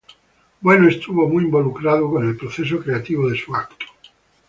Bueno estuvo muy involucrado con el proceso creativo de su acto.